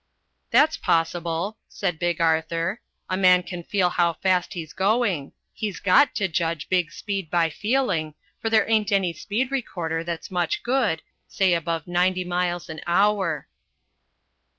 "That's possible," said Big Arthur. "A man can feel how fast he's going. He's got to judge big speed by feeling, for there ain't any speed recorder that's much good, say above ninety miles an hour."